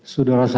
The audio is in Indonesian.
sudara saksi ya